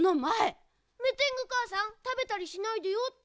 「メテングかあさんたべたりしないでよ」って。